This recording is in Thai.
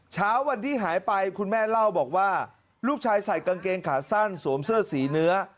เช้าวันที่หายไปคุณแม่เล่าบอกว่าลูกชายใส่กางเกงขาสั้นสวมเสื้อสีเนื้อ